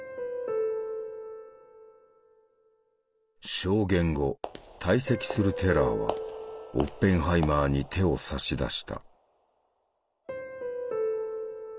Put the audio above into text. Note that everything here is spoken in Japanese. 証言後退席するテラーはオッペンハイマーに手を差し出した。